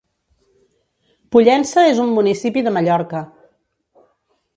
Pollença és un municipi de Mallorca.